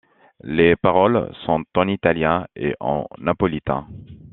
Les paroles sont en italien et en napolitain.